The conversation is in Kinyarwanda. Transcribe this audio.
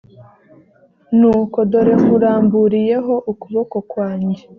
nuko dore nkuramburiyeho ukuboko kwanjye